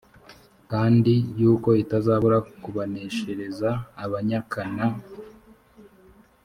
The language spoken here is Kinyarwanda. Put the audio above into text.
kandi yuko itazabura kubaneshereza abanyakan